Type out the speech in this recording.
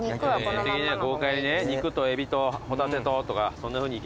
豪快にね肉とエビとホタテととかそんなふうにいきます？